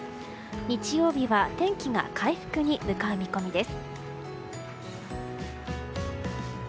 日曜日は天気が回復に向かう見込みです。